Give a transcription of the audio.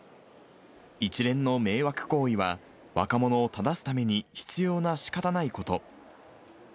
一連の迷惑行為は、若者を正すために必要なしかたないこと。